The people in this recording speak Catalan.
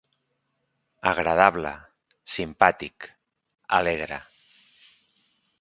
Agradable, simpàtic, alegre.